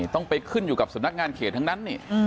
ต้องไปขึ้นอยู่กับสำนักงานเขตทั้งนั้น